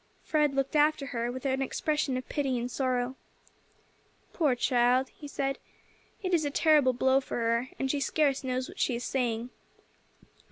Fred looked after her with an expression of pity and sorrow. "Poor child!" he said, "it is a terrible blow for her, and she scarce knows what she is saying."